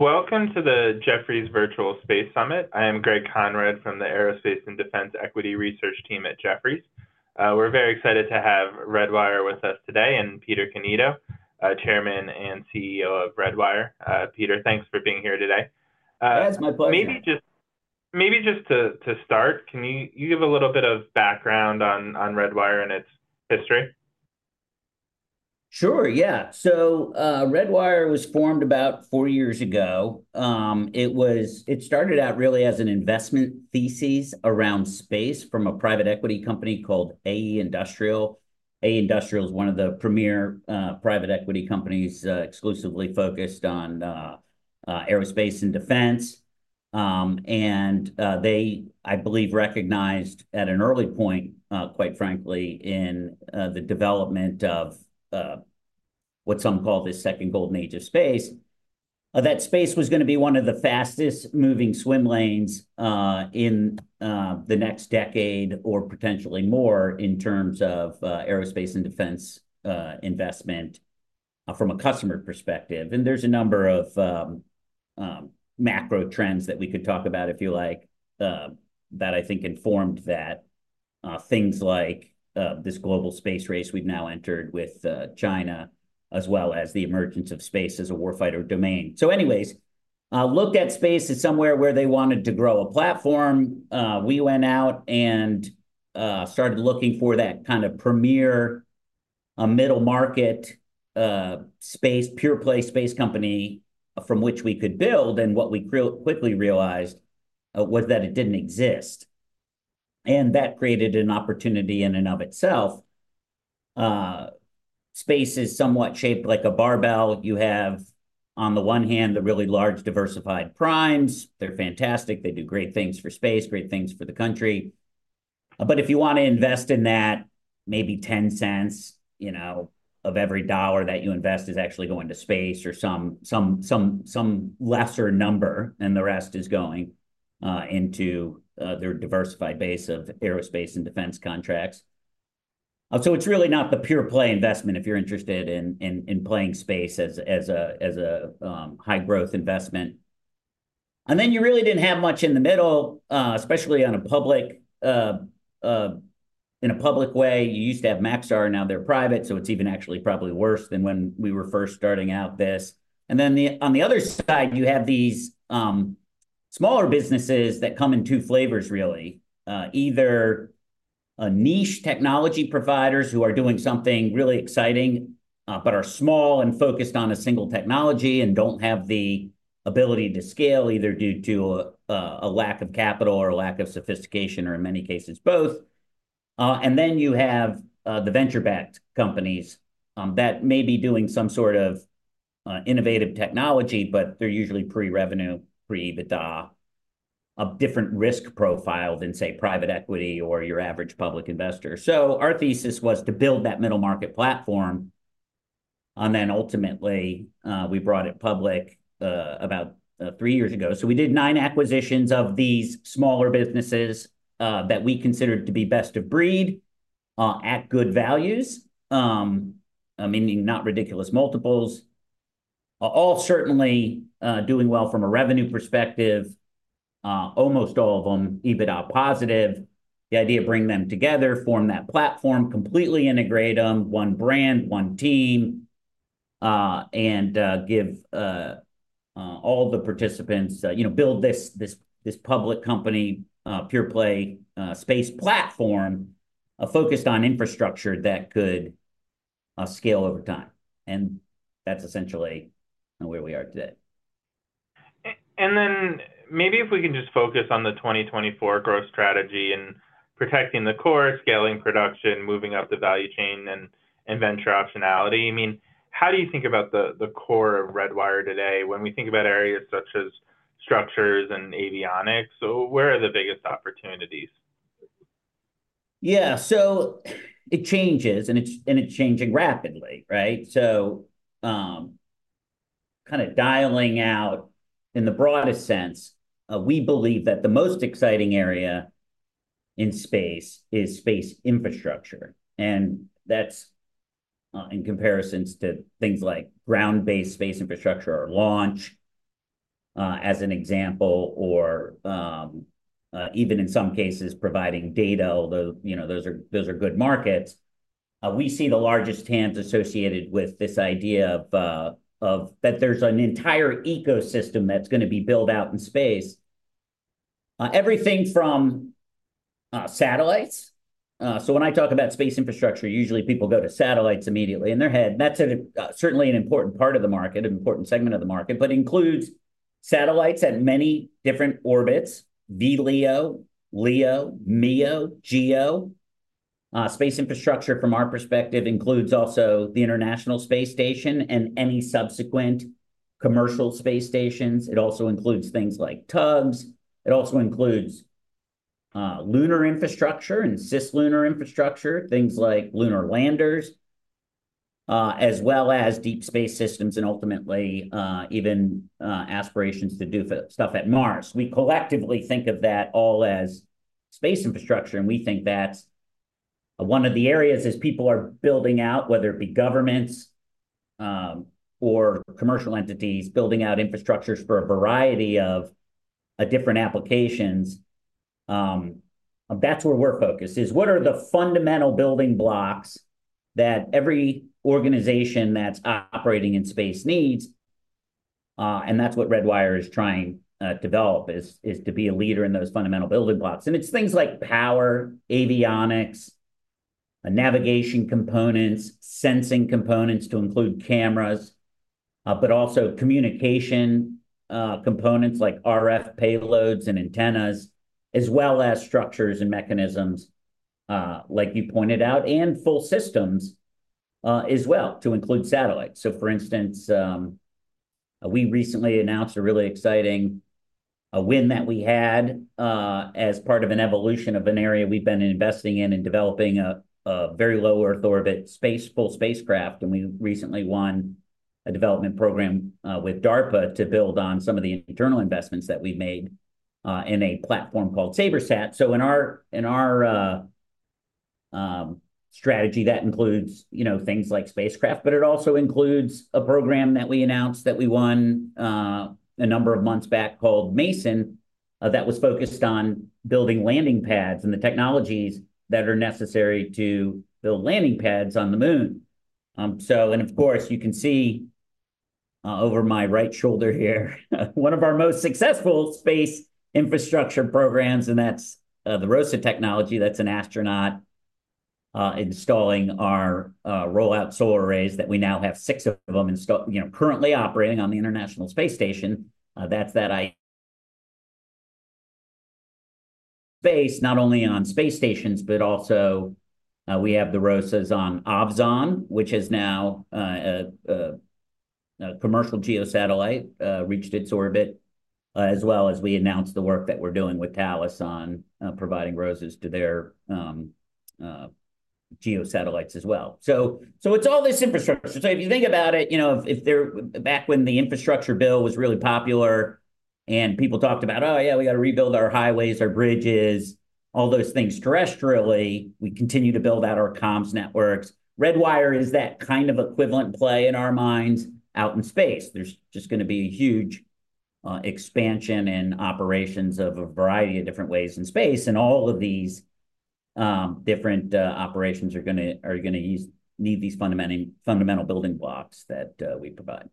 Welcome to the Jefferies Virtual Space Summit. I am Greg Konrad from the Aerospace and Defense Equity Research team at Jefferies. We're very excited to have Redwire with us today, and Peter Cannito, Chairman and CEO of Redwire. Peter, thanks for being here today. Yeah, it's my pleasure. Maybe just to start, can you give a little bit of background on Redwire and its history? Sure, yeah. So, Redwire was formed about four years ago. It started out really as an investment thesis around space from a private equity company called AE Industrial. AE Industrial is one of the premier private equity companies exclusively focused on aerospace and defense. They, I believe, recognized at an early point, quite frankly, in the development of what some call the second golden age of space, that space was gonna be one of the fastest moving swim lanes in the next decade, or potentially more, in terms of aerospace and defense investment from a customer perspective. And there's a number of macro trends that we could talk about, if you like, that I think informed that, things like this global space race we've now entered with China, as well as the emergence of space as a warfighting domain. So anyways, looked at space as somewhere where they wanted to grow a platform. We went out and started looking for that kind of premier middle-market space pure-play space company from which we could build, and what we really quickly realized was that it didn't exist, and that created an opportunity in and of itself. Space is somewhat shaped like a barbell. You have, on the one hand, the really large, diversified primes. They're fantastic. They do great things for space, great things for the country. But if you want to invest in that, maybe 10 cents, you know, of every dollar that you invest is actually going to space or some lesser number, and the rest is going into their diversified base of aerospace and defense contracts. So it's really not the pure-play investment if you're interested in playing space as a high-growth investment. And then you really didn't have much in the middle, especially on a public, in a public way. You used to have Maxar, now they're private, so it's even actually probably worse than when we were first starting out this. And then the, on the other side, you have these smaller businesses that come in two flavors, really. Either a niche technology providers who are doing something really exciting, but are small and focused on a single technology and don't have the ability to scale, either due to a lack of capital or a lack of sophistication, or in many cases, both. And then you have the venture-backed companies that may be doing some sort of innovative technology, but they're usually pre-revenue, pre-EBITDA, a different risk profile than, say, private equity or your average public investor. So our thesis was to build that middle market platform, and then ultimately, we brought it public about three years ago. So we did nine acquisitions of these smaller businesses that we considered to be best of breed at good values. I mean, not ridiculous multiples. All certainly doing well from a revenue perspective, almost all of them EBITDA positive. The idea, bring them together, form that platform, completely integrate them, one brand, one team, and give all the participants, you know, build this, this, this public company, pure-play space platform focused on infrastructure that could scale over time. And that's essentially where we are today. And then maybe if we can just focus on the 2024 growth strategy and protecting the core, scaling production, moving up the value chain, and venture optionality. I mean, how do you think about the core of Redwire today when we think about areas such as structures and avionics? So where are the biggest opportunities? Yeah. So it changes, and it's changing rapidly, right? So, kind of zooming out in the broadest sense, we believe that the most exciting area in space is space infrastructure, and that's in comparison to things like ground-based space infrastructure or launch, as an example, or even in some cases, providing data, although, you know, those are good markets. We see the largest end associated with this idea of that there's an entire ecosystem that's gonna be built out in space. Everything from satellites. So when I talk about space infrastructure, usually people go to satellites immediately in their head. That's certainly an important part of the market, an important segment of the market, but includes satellites at many different orbits: VLEO, LEO, MEO, GEO. Space infrastructure, from our perspective, includes also the International Space Station and any subsequent commercial space stations. It also includes things like tugs. It also includes lunar infrastructure and cislunar infrastructure, things like lunar landers, as well as deep space systems and ultimately even aspirations to do stuff at Mars. We collectively think of that all as space infrastructure, and we think that's one of the areas where people are building out, whether it be governments or commercial entities, building out infrastructures for a variety of different applications. That's where we're focused: what are the fundamental building blocks that every organization that's operating in space needs? And that's what Redwire is trying to develop: to be a leader in those fundamental building blocks. It's things like power, avionics, navigation components, sensing components to include cameras, but also communication components like RF payloads and antennas, as well as structures and mechanisms, like you pointed out, and full systems, as well, to include satellites. So for instance, we recently announced a really exciting win that we had, as part of an evolution of an area we've been investing in and developing a very low Earth orbit spacecraft, and we recently won a development program with DARPA to build on some of the internal investments that we've made in a platform called SaberSat. So in our strategy, that includes, you know, things like spacecraft, but it also includes a program that we announced that we won a number of months back called MASON that was focused on building landing pads and the technologies that are necessary to build landing pads on the Moon. And of course, you can see over my right shoulder here, one of our most successful space infrastructure programs, and that's the ROSA technology. That's an astronaut installing our roll-out solar arrays that we now have six of them installed, you know, currently operating on the International Space Station. That's that it's based, not only on space stations, but also we have the ROSAs on Ovzon, which is now a commercial GEO satellite that reached its orbit. As well as we announced the work that we're doing with Thales on providing ROSAs to their GEO satellites as well. So it's all this infrastructure. So if you think about it, you know, back when the infrastructure bill was really popular and people talked about, "Oh, yeah, we got to rebuild our highways, our bridges," all those things terrestrially, we continue to build out our comms networks. Redwire is that kind of equivalent play in our minds out in space. There's just gonna be a huge expansion in operations of a variety of different ways in space, and all of these different operations are gonna need these fundamental building blocks that we provide.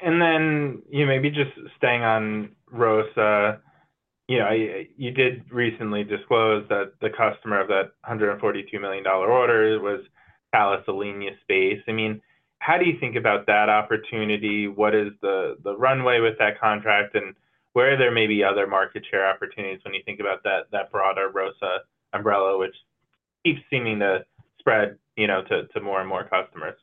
And then, yeah, maybe just staying on ROSA, you know, you did recently disclose that the customer of that $142 million order was Thales Alenia Space. I mean, how do you think about that opportunity? What is the runway with that contract, and where there may be other market share opportunities when you think about that broader ROSA umbrella, which keeps seeming to spread, you know, to more and more customers?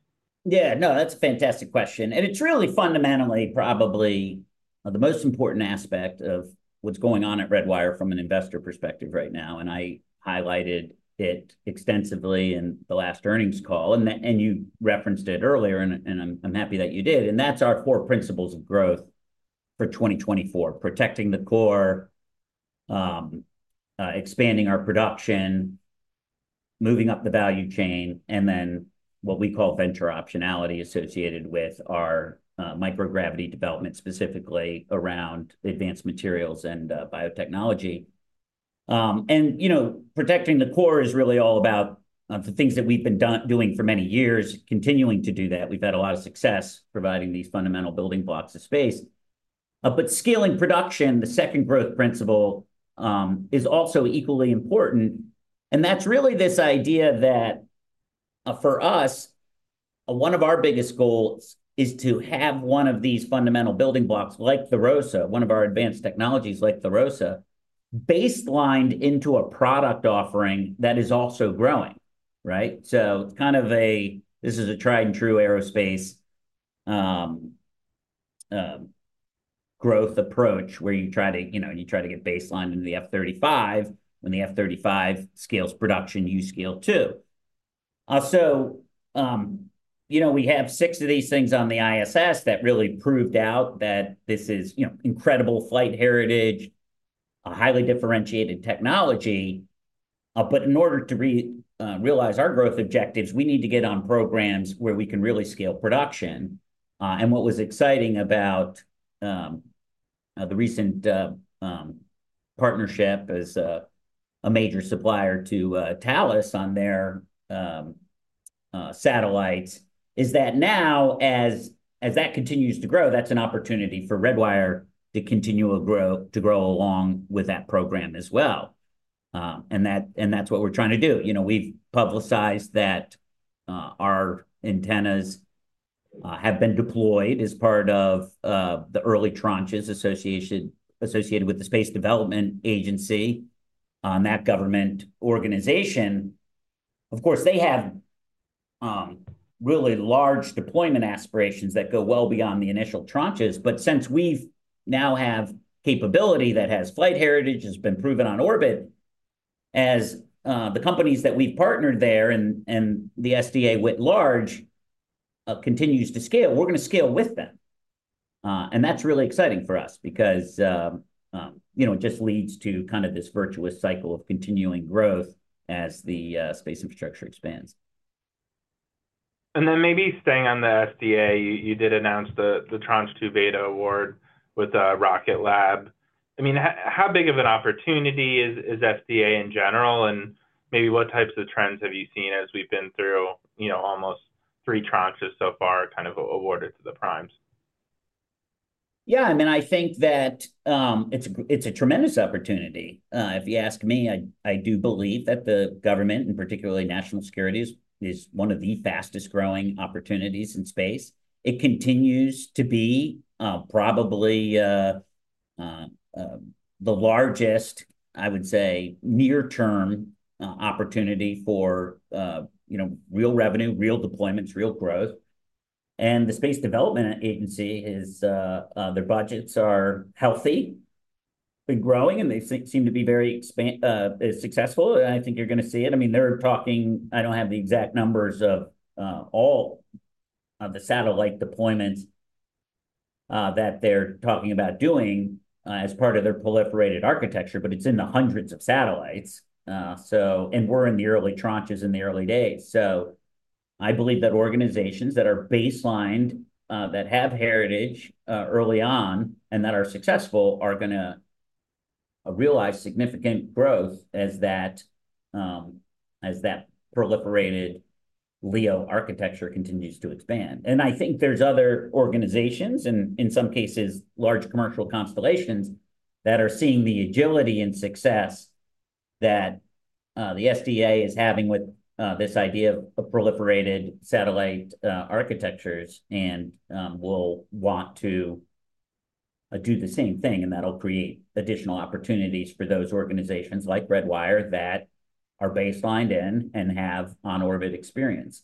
Yeah, no, that's a fantastic question, and it's really fundamentally probably the most important aspect of what's going on at Redwire from an investor perspective right now, and I highlighted it extensively in the last earnings call. And you referenced it earlier, and I'm happy that you did, and that's our four principles of growth for 2024: protecting the core, expanding our production, moving up the value chain, and then what we call venture optionality associated with our microgravity development, specifically around advanced materials and biotechnology. And you know, protecting the core is really all about the things that we've been doing for many years, continuing to do that. We've had a lot of success providing these fundamental building blocks of space. But scaling production, the second growth principle, is also equally important, and that's really this idea that, for us, one of our biggest goals is to have one of these fundamental building blocks, like the ROSA, one of our advanced technologies like the ROSA, baselined into a product offering that is also growing, right? This is a tried-and-true aerospace growth approach, where you try to, you know, you try to get baseline into the F-35. When the F-35 scales production, you scale, too. So, you know, we have six of these things on the ISS that really proved out that this is, you know, incredible flight heritage, a highly differentiated technology. But in order to realize our growth objectives, we need to get on programs where we can really scale production. And what was exciting about the recent partnership as a major supplier to Thales on their satellites is that now, as that continues to grow, that's an opportunity for Redwire to continue to grow along with that program as well. And that's what we're trying to do. You know, we've publicized that our antennas have been deployed as part of the early tranches associated with the Space Development Agency, that government organization. Of course, they have really large deployment aspirations that go well beyond the initial tranches. But since we've now have capability that has flight heritage, has been proven on orbit, as the companies that we've partnered there and the SDA writ large continues to scale, we're gonna scale with them. That's really exciting for us because, you know, it just leads to kind of this virtuous cycle of continuing growth as the space infrastructure expands. And then maybe staying on the SDA, you did announce the Tranche 2B award with Rocket Lab. I mean, how big of an opportunity is SDA in general, and maybe what types of trends have you seen as we've been through, you know, almost three tranches so far, kind of awarded to the primes? Yeah, I mean, I think that, it's, it's a tremendous opportunity. If you ask me, I, I do believe that the government, and particularly national security, is, is one of the fastest-growing opportunities in space. It continues to be, probably, the largest, I would say, near-term, opportunity for, you know, real revenue, real deployments, real growth. And the Space Development Agency is, their budgets are healthy, been growing, and they seem to be very successful, and I think you're gonna see it. I mean, they're talking, I don't have the exact numbers of, all of the satellite deployments, that they're talking about doing, as part of their proliferated architecture, but it's in the hundreds of satellites. And we're in the early tranches in the early days. So I believe that organizations that are baselined, that have heritage early on and that are successful are gonna realize significant growth as that proliferated LEO architecture continues to expand. And I think there's other organizations, and in some cases, large commercial constellations, that are seeing the agility and success that the SDA is having with this idea of a proliferated satellite architectures and will want to do the same thing, and that'll create additional opportunities for those organizations like Redwire that are baselined in and have on-orbit experience.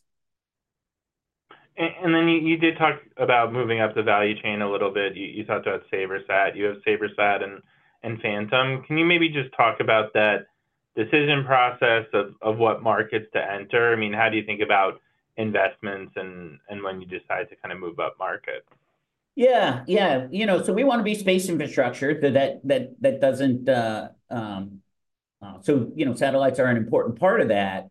Then you did talk about moving up the value chain a little bit. You talked about SaberSat. You have SaberSat and Phantom. Can you maybe just talk about that decision process of what markets to enter? I mean, how do you think about investments and when you decide to kind of move up market? Yeah, yeah. You know, so we want to be space infrastructure. So that doesn't, so, you know, satellites are an important part of that,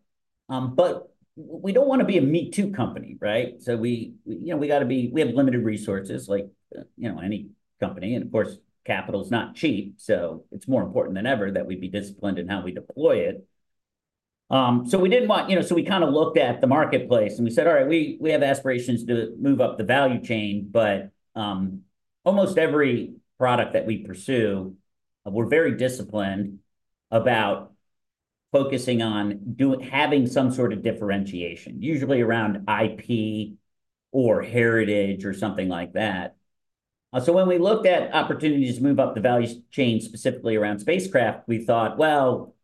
but we don't want to be a me-too company, right? So we, we, you know, we gotta be—we have limited resources, like, you know, any company, and of course, capital's not cheap, so it's more important than ever that we be disciplined in how we deploy it. So we didn't want—you know, so we kind of looked at the marketplace, and we said, "All right, we have aspirations to move up the value chain," but almost every product that we pursue, we're very disciplined about focusing on having some sort of differentiation, usually around IP or heritage or something like that. So when we looked at opportunities to move up the value chain, specifically around spacecraft, we thought, well,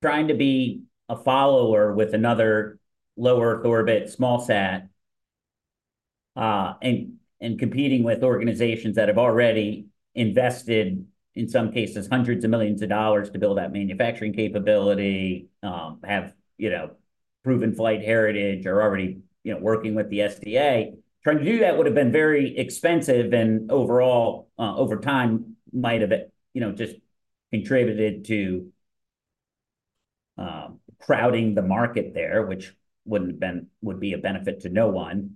trying to be a follower with another low Earth orbit SmallSat, and competing with organizations that have already invested, in some cases, $hundreds of millions to build that manufacturing capability, have, you know, proven flight heritage, are already, you know, working with the SDA, trying to do that would've been very expensive and overall, over time, might have, you know, just contributed to crowding the market there, which wouldn't have been a benefit to no one.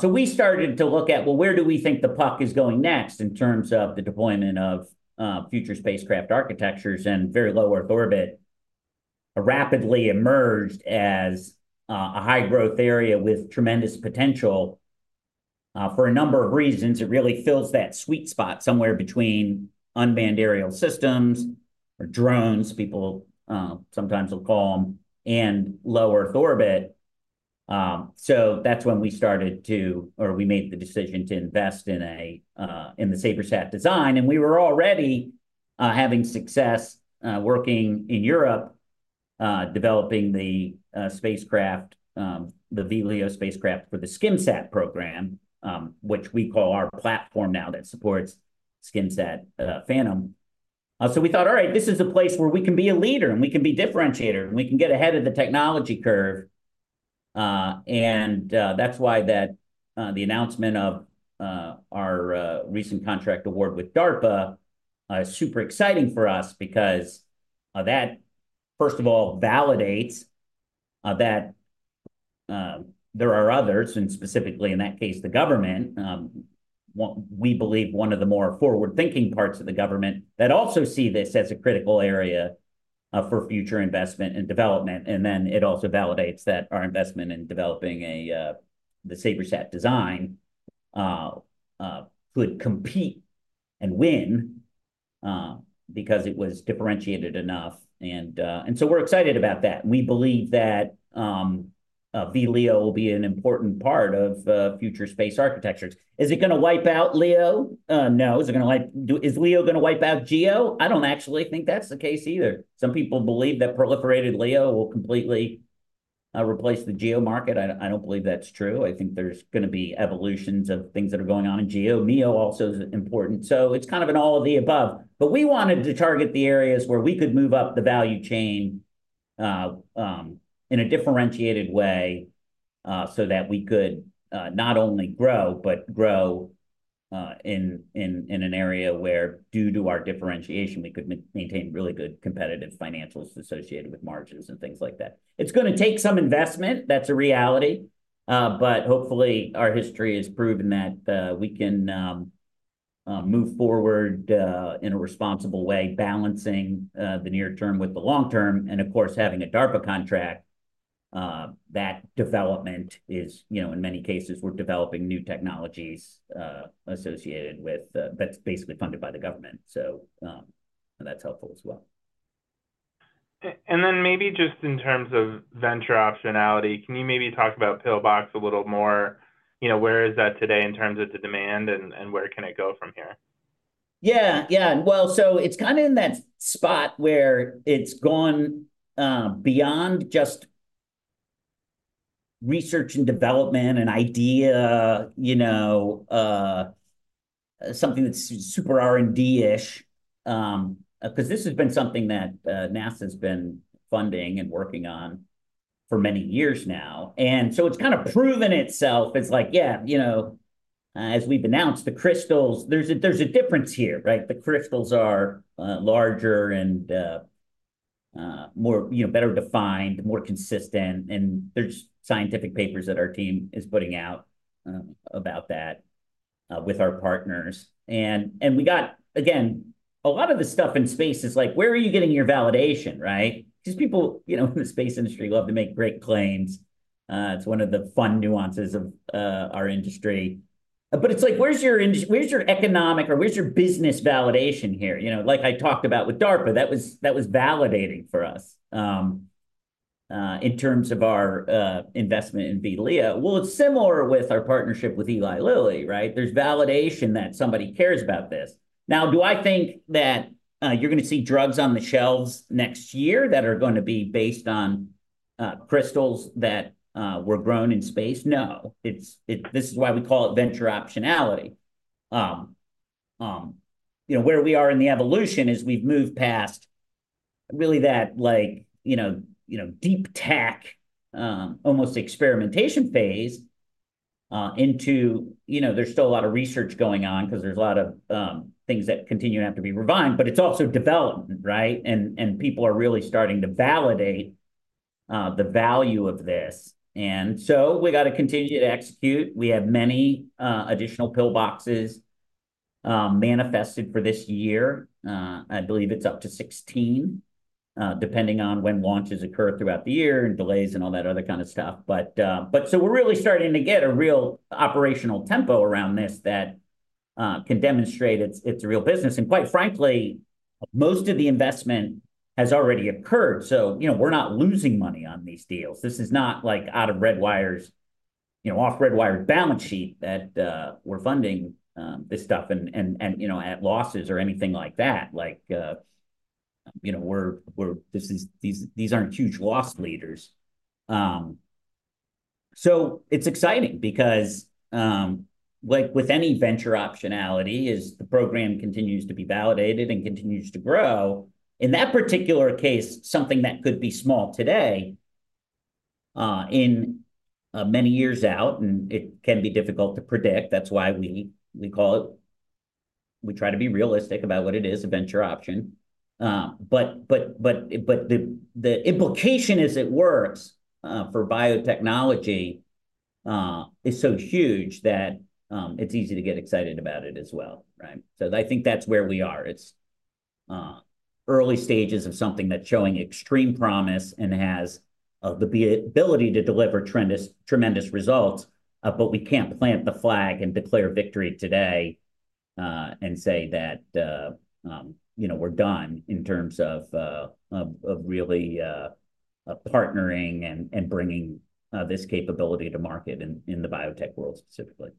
So we started to look at, well, where do we think the puck is going next in terms of the deployment of future spacecraft architectures and very low Earth orbit? Rapidly emerged as a high-growth area with tremendous potential for a number of reasons. It really fills that sweet spot somewhere between unmanned aerial systems, or drones, people sometimes will call them, and low Earth orbit. We made the decision to invest in the SaberSat design, and we were already having success working in Europe developing the spacecraft, the VLEO spacecraft for the SkimSat program, which we call our platform now that supports SkimSat Phantom. So we thought, "All right, this is a place where we can be a leader, and we can be differentiator, and we can get ahead of the technology curve." That's why the announcement of our recent contract award with DARPA is super exciting for us because that, first of all, validates that there are others, and specifically in that case, the government, we believe one of the more forward-thinking parts of the government, that also see this as a critical area for future investment and development. And then it also validates that our investment in developing the SaberSat design could compete and win because it was differentiated enough. And so we're excited about that. We believe that VLEO will be an important part of future space architectures. Is it gonna wipe out LEO? No. Is LEO gonna wipe out GEO? I don't actually think that's the case either. Some people believe that proliferated LEO will completely replace the GEO market. I don't believe that's true. I think there's gonna be evolutions of things that are going on in GEO. MEO also is important, so it's kind of an all of the above. But we wanted to target the areas where we could move up the value chain in a differentiated way, so that we could not only grow, but grow in an area where due to our differentiation, we could maintain really good competitive financials associated with margins and things like that. It's gonna take some investment, that's a reality. But hopefully our history has proven that we can move forward in a responsible way, balancing the near term with the long term. And of course, having a DARPA contract, that development is, you know, in many cases, we're developing new technologies associated with-- that's basically funded by the government. So, that's helpful as well. And then maybe just in terms of venture optionality, can you maybe talk about PIL-BOX a little more? You know, where is that today in terms of the demand, and where can it go from here? Yeah, yeah. Well, so it's kind of in that spot where it's gone beyond just research and development and idea, you know, something that's super R&D-ish. 'Cause this has been something that NASA's been funding and working on for many years now, and so it's kind of proven itself. It's like, yeah, you know, as we've announced, the crystals, there's a, there's a difference here, right? The crystals are larger and more, you know, better defined, more consistent, and there's scientific papers that our team is putting out about that with our partners. And we got, again, a lot of the stuff in space is like, where are you getting your validation, right? 'Cause people, you know, in the space industry love to make great claims. It's one of the fun nuances of our industry. But it's like, where's your economic or where's your business validation here? You know, like I talked about with DARPA, that was, that was validating for us, in terms of our investment in VLEO. Well, it's similar with our partnership with Eli Lilly, right? There's validation that somebody cares about this. Now, do I think that you're gonna see drugs on the shelves next year that are gonna be based on crystals that were grown in space? No. It's, it-- this is why we call it venture optionality. You know, where we are in the evolution is we've moved past really that, like, you know, you know, deep tech, almost experimentation phase, into. You know, there's still a lot of research going on 'cause there's a lot of, things that continue to have to be refined, but it's also development, right? And, and people are really starting to validate, the value of this. And so we gotta continue to execute. We have many, additional PIL-BOXes, manifested for this year. I believe it's up to 16, depending on when launches occur throughout the year, and delays, and all that other kind of stuff. But, but so we're really starting to get a real operational tempo around this that, can demonstrate it's, it's a real business. And quite frankly, most of the investment has already occurred, so, you know, we're not losing money on these deals. This is not, like, out of Redwire's... You know, off Redwire's balance sheet, that we're funding this stuff, and you know, at losses or anything like that. Like, you know, these aren't huge loss leaders. So it's exciting because, like with any venture optionality, as the program continues to be validated and continues to grow, in that particular case, something that could be small today, in many years out, and it can be difficult to predict, that's why we call it. We try to be realistic about what it is, a venture option. But the implication as it works for biotechnology is so huge that it's easy to get excited about it as well, right? So I think that's where we are. It's early stages of something that's showing extreme promise and has the ability to deliver tremendous results, but we can't plant the flag and declare victory today, and say that, you know, we're done in terms of of really partnering and bringing this capability to market in the biotech world specifically.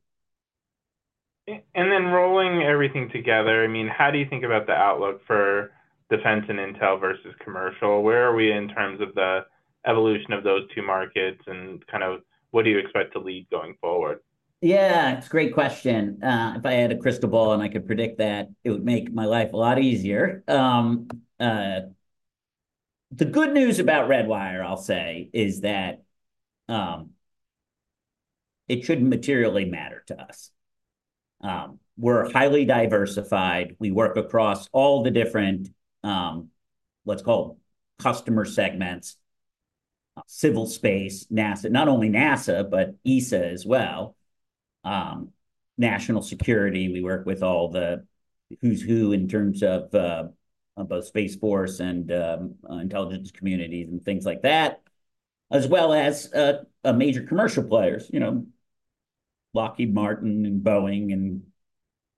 And then rolling everything together, I mean, how do you think about the outlook for defense and intel versus commercial? Where are we in terms of the evolution of those two markets, and kind of what do you expect to lead going forward? Yeah, it's a great question. If I had a crystal ball and I could predict that, it would make my life a lot easier. The good news about Redwire, I'll say, is that it shouldn't materially matter to us. We're highly diversified. We work across all the different, let's call them customer segments: civil space, NASA… Not only NASA, but ESA as well. National security, we work with all the who's who in terms of both Space Force and intelligence communities and things like that, as well as major commercial players. You know, Lockheed Martin, and Boeing, and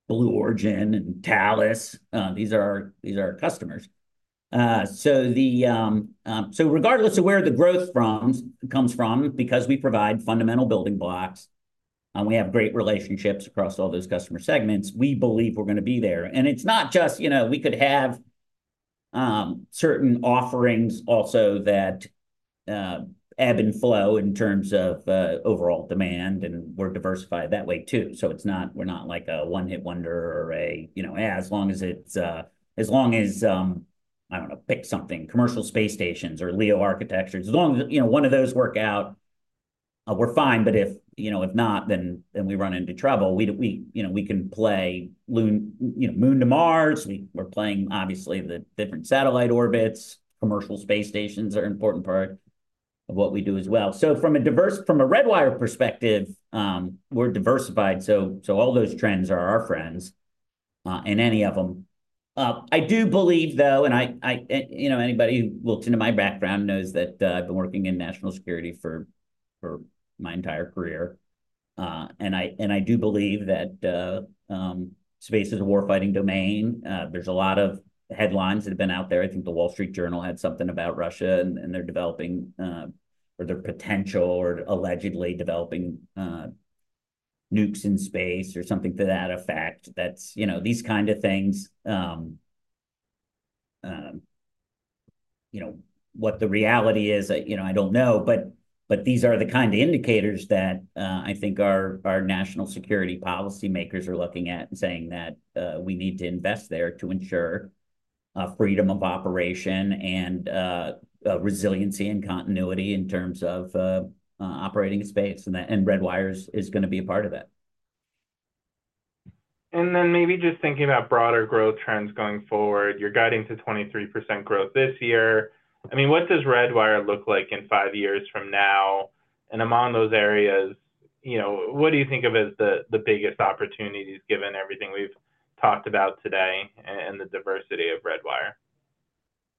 Blue Origin, and Thales, these are our, these are our customers. So regardless of where the growth comes from, because we provide fundamental building blocks, and we have great relationships across all those customer segments, we believe we're gonna be there. And it's not just, you know, we could have certain offerings also ebb and flow in terms of overall demand, and we're diversified that way, too. So it's not we're not like a one-hit wonder or a, you know. As long as it's as long as I don't know, pick something, commercial space stations or LEO architecture. As long as, you know, one of those work out, we're fine. But if, you know, if not, then we run into trouble. We you know, we can play you know, Moon to Mars. We're playing, obviously, the different satellite orbits. Commercial space stations are an important part of what we do as well. So from a Redwire perspective, we're diversified, so all those trends are our friends, and any of them. I do believe, though, you know, anybody who looks into my background knows that I've been working in national security for my entire career. And I do believe that space is a war-fighting domain. There's a lot of headlines that have been out there. I think the Wall Street Journal had something about Russia, and they're developing or they're potentially or allegedly developing nukes in space or something to that effect. That's, you know, these kind of things. You know, what the reality is, you know, I don't know. But these are the kind of indicators that I think our national security policymakers are looking at and saying that we need to invest there to ensure freedom of operation and resiliency and continuity in terms of operating in space, and that Redwire is gonna be a part of it. Then maybe just thinking about broader growth trends going forward, you're guiding to 23% growth this year. I mean, what does Redwire look like in five years from now? Among those areas, you know, what do you think of as the biggest opportunities, given everything we've talked about today and the diversity of Redwire?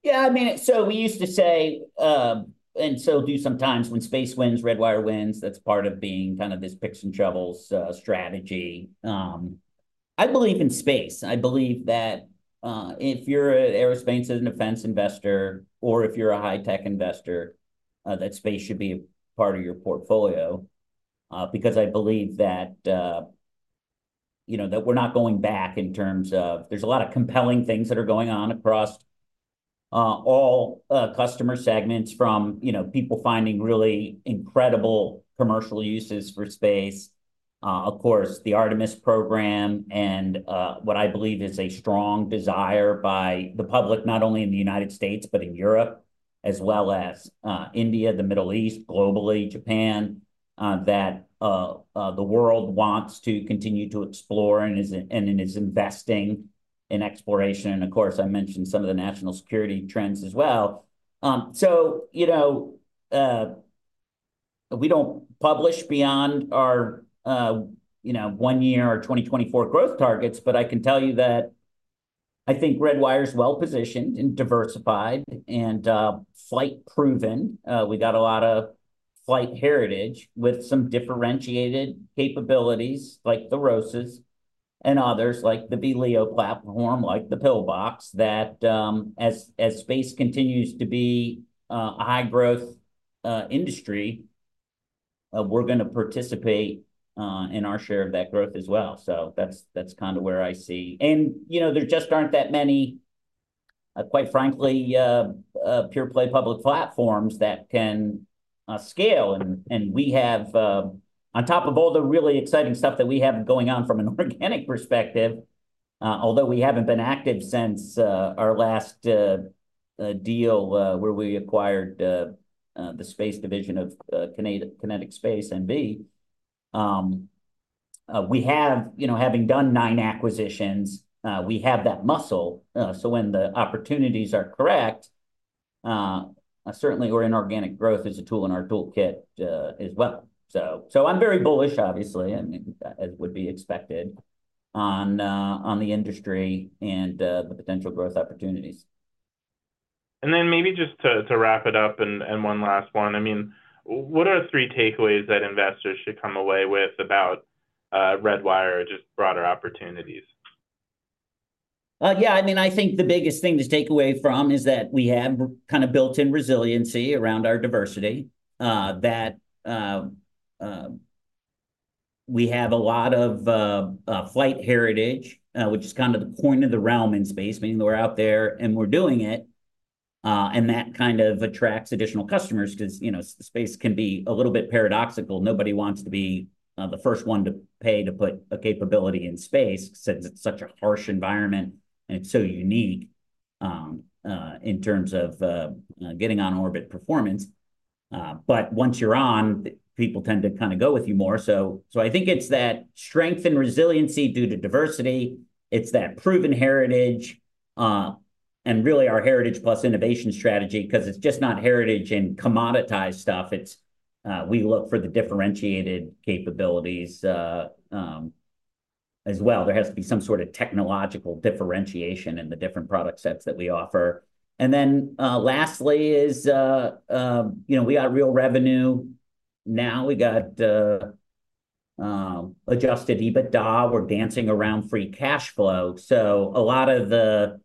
Yeah, I mean, so we used to say, and still do sometimes, "When space wins, Redwire wins." That's part of being kind of this picks and shovels strategy. I believe in space. I believe that, if you're an aerospace and defense investor or if you're a high-tech investor, that space should be part of your portfolio. Because I believe that, you know, that we're not going back in terms of, there's a lot of compelling things that are going on across all customer segments from, you know, people finding really incredible commercial uses for space. Of course, the Artemis Program and what I believe is a strong desire by the public, not only in the United States, but in Europe, as well as India, the Middle East, globally, Japan, that the world wants to continue to explore and is and it is investing in exploration. And of course, I mentioned some of the national security trends as well. So, you know, we don't publish beyond our you know, one year or 2024 growth targets, but I can tell you that I think Redwire's well-positioned and diversified and flight-proven. We got a lot of flight heritage with some differentiated capabilities, like the ROSAs and others, like the VLEO platform, like the PIL-BOX, that, as space continues to be a high-growth industry, we're gonna participate in our share of that growth as well. So that's kind of where I see. And, you know, there just aren't that many, quite frankly, pure-play public platforms that can scale. And we have, on top of all the really exciting stuff that we have going on from an organic perspective, although we haven't been active since our last deal, where we acquired the space division of QinetiQ Space NV, we have, you know, having done 9 acquisitions, we have that muscle. So when the opportunities are correct, certainly we're in organic growth as a tool in our toolkit, as well. So I'm very bullish, obviously, and as would be expected, on the industry and the potential growth opportunities. And then maybe just to wrap it up, and one last one. I mean, what are three takeaways that investors should come away with about Redwire or just broader opportunities? Yeah, I mean, I think the biggest thing to take away from is that we have kind of built-in resiliency around our diversity, that we have a lot of flight heritage, which is kind of the coin of the realm in space, meaning we're out there and we're doing it. And that kind of attracts additional customers 'cause, you know, space can be a little bit paradoxical. Nobody wants to be the first one to pay to put a capability in space, since it's such a harsh environment and it's so unique in terms of getting on orbit performance. But once you're on, people tend to kind of go with you more. So, I think it's that strength and resiliency due to diversity, it's that proven heritage, and really our heritage plus innovation strategy, 'cause it's just not heritage and commoditized stuff, it's, we look for the differentiated capabilities, as well. There has to be some sort of technological differentiation in the different product sets that we offer. And then, lastly is, you know, we got real revenue. Now, we got adjusted EBITDA. We're dancing around free cash flow. So a lot of the,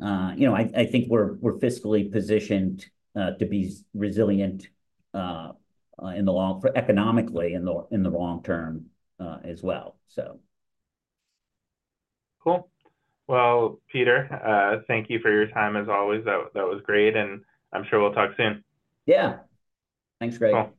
you know, I think we're fiscally positioned to be resilient, economically, in the long term, as well, so. Cool. Well, Peter, thank you for your time, as always. That, that was great, and I'm sure we'll talk soon. Yeah. Thanks, Greg.